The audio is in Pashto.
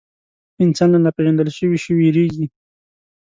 انسان له ناپېژندل شوي شي وېرېږي.